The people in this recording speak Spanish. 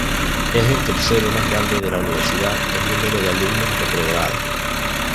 Es el tercero más grande de la universidad en número de alumnos de pregrado.